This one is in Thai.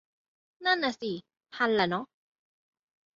นั่นน่ะสิ ทันแหละเนอะ